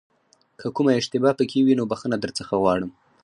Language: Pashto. که کومه اشتباه پکې وي نو بښنه درڅخه غواړم.